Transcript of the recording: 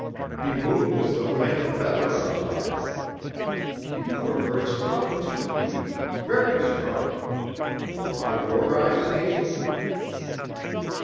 He moved as though he had a feather on his arm. You are very strong too, Pete very strong. Are your eyes hazel?"